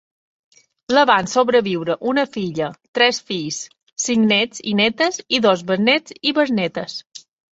La van sobreviure una filla, tres fills, cinc nets i netes i dos besnets i besnetes.